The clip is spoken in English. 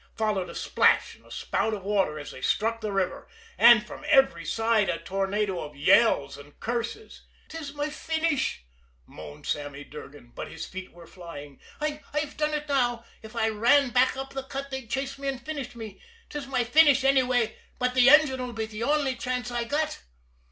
Followed a splash and a spout of water as they struck the river and from every side a tornado of yells and curses. "'Tis my finish!" moaned Sammy Durgan but his feet were flying. "I I've done it now! If I ran back up the cut they'd chase me and finish me 'tis my finish, anyway, but the engine 'll be the only chance I got."